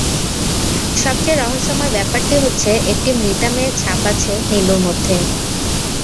সবচেয়ে রহস্যময় ব্যাপারটি হচ্ছে, একটি মৃতা মেয়ের ছাপ আছে নীলুর মধ্যে।